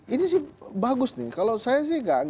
ini sih bagus nih kalau saya sih